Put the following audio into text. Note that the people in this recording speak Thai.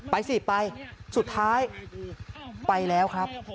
ไปสิไปสุดท้ายไปแล้วครับ